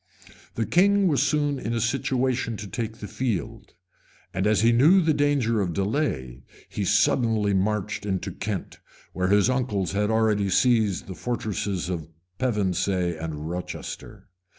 The king was soon in a situation to take the field; and as he knew the danger of delay, he suddenly marched into Kent, where his uncles had already seized the fortresses of Pevensey and Rochester.